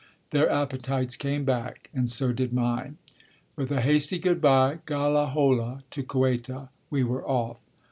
Their appetites came back, and so did mine. With a hasty good bye, "Gala hola," to Kueta, we were off.